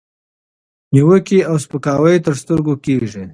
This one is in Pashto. نیوکې او سپکاوي تر سترګو کېږي،